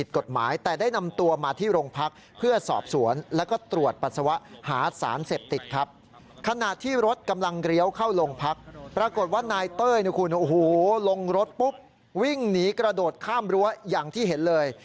เขาลงรถปุ๊บวิ่งหนีกระโดดข้ามรั้วอย่างที่เห็นเลย